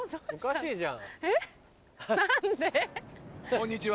こんにちは。